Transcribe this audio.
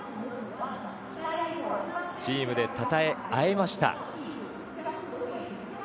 チームでたたえ合いました。